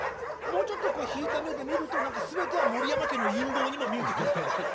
もうちょっとこう引いた目で見ると全ては森山家の陰謀にも見えてくる。